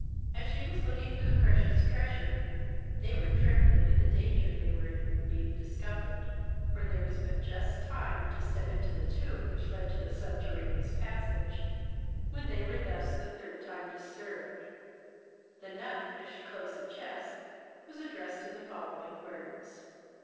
As she was looking for the precious treasure, they were trembling at the danger they were in of being discovered; for there was but just time to step into the tomb which led to the subterraneous passage, when they were thus the third time disturbed. The nun, as she closed the chest, was addressed in the following words.